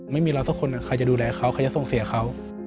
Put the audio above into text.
ไม่มีเราสักคนใครจะดูแลเขาใครจะส่งเสียเขา